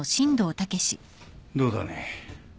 どうだね？